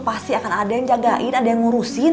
pasti akan ada yang jagain ada yang ngurusin